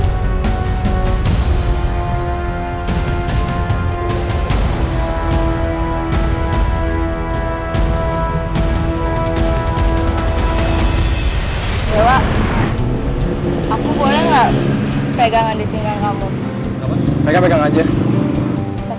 dua aku boleh gak pegangan di pinggang kamu